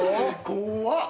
怖っ。